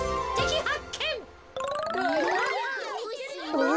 あれ！